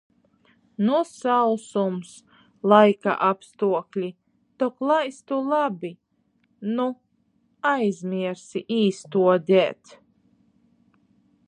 Nu sausums, laika apstuokli... Tok laistu labi... Nu... aizmiersi īstuodeit!